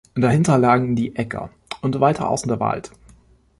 Dahinter lagen die Äcker, und weiter außen der Wald.